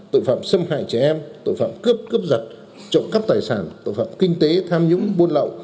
tội phạm xâm hại trẻ em tội phạm cướp cướp giật trộm cắp tài sản tội phạm kinh tế tham nhũng buôn lậu